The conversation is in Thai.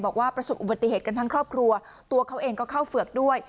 ประสบอุบัติเหตุกันทั้งครอบครัวตัวเขาเองก็เข้าเฝือกด้วย